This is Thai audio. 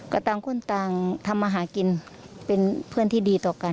ก่อนไกลนก็ทำอาหารกิจเป็นเพื่อนที่ดีต่อกัน